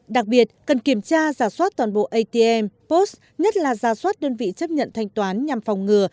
đặc biệt cần kiểm tra giả soát toàn bộ atm post nhất là giả soát đơn vị chấp nhận thanh toán nhằm phòng ngừa